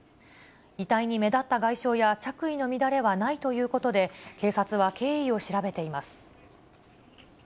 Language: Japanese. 遺体に目立った外傷や、着衣の乱れはないということで、警察は経緯を調べています。